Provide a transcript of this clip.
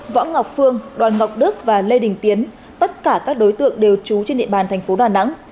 võ ngọc phương đoàn ngọc đức và lê đình tiến tất cả các đối tượng đều trú trên địa bàn thành phố đà nẵng